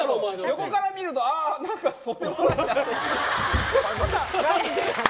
横から見るとああそうでもないなって。